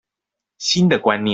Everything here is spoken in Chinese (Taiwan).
新的觀念